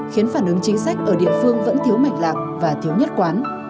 khiến phản ứng chính sách ở địa phương vẫn thiếu mạch lạc và thiếu nhất quán